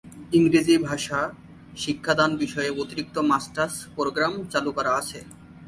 ইংরেজি ভাষা শিক্ষাদান বিষয়ে অতিরিক্ত মাস্টার্স প্রোগ্রাম চালু করা আছে।